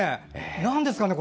何ですかね。